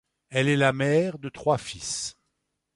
Elle est la mère de trois fils.